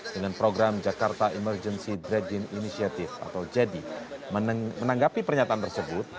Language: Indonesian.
dengan program jakarta emergency dredient initiative atau jedi menanggapi pernyataan tersebut